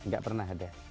gak pernah ada